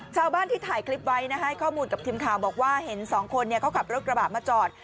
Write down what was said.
ชาวบ้านที่ถ่ายคลิปไว้ให้ข้อมูลกับทีมข่าวบอกว่าเห็นสองคนเขาขับรถกระบะมาจอด